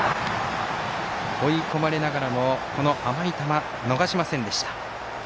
追い込まれながらも甘い球、逃しませんでした。